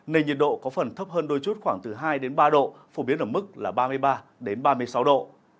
nền nhiệt độ có phần thấp hơn đôi chút khoảng từ hai ba độ phổ biến ở mức là ba mươi ba ba mươi sáu độ